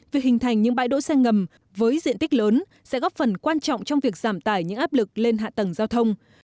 việc hình thành những bãi đỗ xe ngầm với diện tích lớn sẽ góp phần quan trọng trong việc giảm tải những áp lực lên hạ tầng giao thông